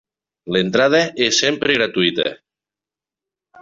L'entrada és sempre gratuïta.